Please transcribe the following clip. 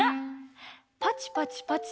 パチパチパチ。